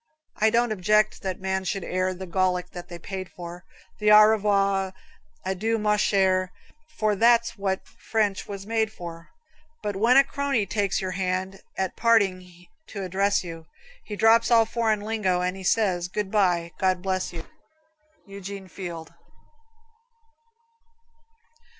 I don't object that men should air The Gallic they have paid for, With "Au revoir," "Adieu, ma chere," For that's what French was made for. But when a crony takes your hand At parting to address you, He drops all foreign lingo and He says, "Good bye, God bless you." Eugene Field.